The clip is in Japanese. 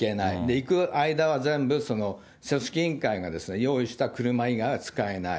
行く間は全部、組織委員会が用意した車以外は使えない。